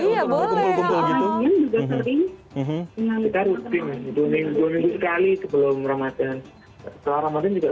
ya boleh juga sering sekarang dua minggu dua minggu sekali sebelum ramadhan selama ramadhan juga